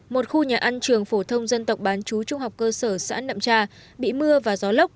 một khu nhà ăn trường phổ thông dân tộc bán chú trung học cơ sở xã nậm tra bị mưa và gió lốc